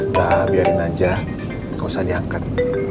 udah biarin aja gak usah diangkat